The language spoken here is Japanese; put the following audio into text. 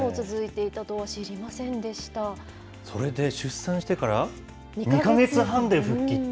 それで出産してから２か月半で復帰。